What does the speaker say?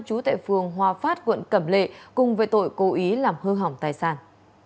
chú tại phường hòa phát quận cẩm lệ cùng với tội cố ý làm hư hỏng tài sản